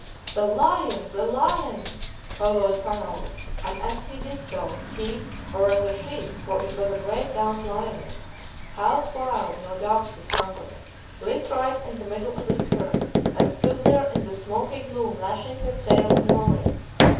"'The lion! the lion!' holloaed Pharaoh, and as he did so, he, or rather she, for it was a great gaunt lioness, half wild no doubt with hunger, lit right in the middle of the skerm, and stood there in the smoky gloom lashing her tail and roaring.